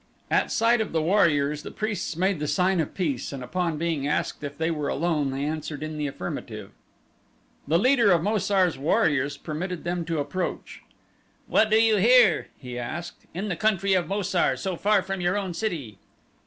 At sight of the warriors the priests made the sign of peace and upon being asked if they were alone they answered in the affirmative. The leader of Mo sar's warriors permitted them to approach. "What do you here," he asked, "in the country of Mo sar, so far from your own city?"